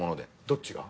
どっちが？